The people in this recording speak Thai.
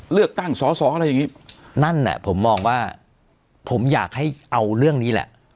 เลือกตั้งสอสออะไรอย่างนี้นั่นแหละผมมองว่าผมอยากให้เอาเรื่องนี้แหละ